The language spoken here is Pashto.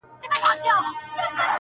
• زلمي, زلمي کلونه جهاني قبر ته توی سول,